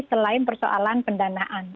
selain persoalan pendanaan